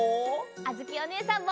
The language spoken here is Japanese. あづきおねえさんも！